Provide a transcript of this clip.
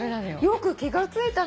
よく気が付いたね。